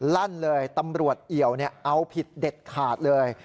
ลั่นเลยตำรวจเอี่ยวเอาผิดเด็ดขาดเลย